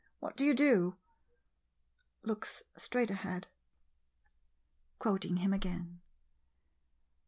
What do you do? [Looks straight ahead, quoting him again.